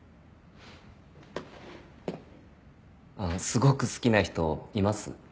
すごく好きな人います？